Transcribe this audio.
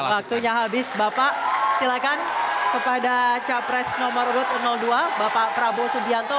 waktunya habis bapak silakan kepada capres nomor urut dua bapak prabowo subianto